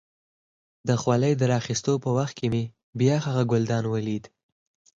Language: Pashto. د خولۍ د را اخيستو په وخت کې مې بیا هغه ګلدان ولید.